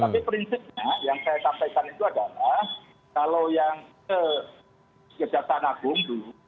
tapi prinsipnya yang saya sampaikan itu adalah kalau yang ke kejaksaan agung dulu